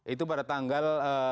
itu pada tanggal tiga puluh